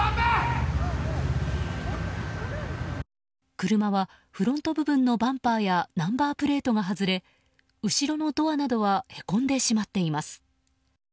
車はフロント部分のバンパーやナンバープレートが外れ後ろのドアなどはへこんでしまっています。